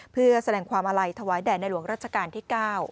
เพื่อแสดงอลายธวายแด่ในหลวงราชการที่๙